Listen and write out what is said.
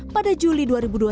pada juli dua ribu dua puluh